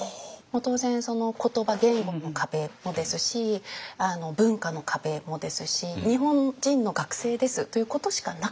当然言葉言語の壁もですし文化の壁もですし日本人の学生ですということしかなかったんですね。